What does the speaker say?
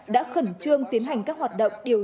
đã khẩn trương tiến hành các hoạt động điều tra